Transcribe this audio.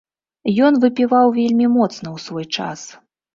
Ён выпіваў вельмі моцна ў свой час.